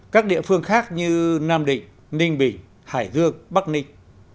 các địa phương khác như nam định ninh bình hải dương bắc ninh